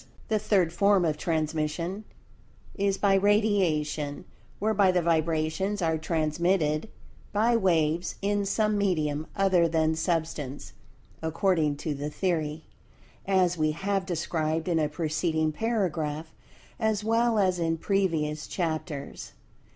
The third form of transmission is by Radiation, whereby the vibrations are transmitted by "waves" in some medium other than Substance (according to the theory),[Pg 173] as we have described in a preceding paragraph, as well as in previous chapters.